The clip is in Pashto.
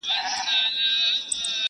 پرېږده چي تڼاکي مي اوبه کم په اغزیو کي .!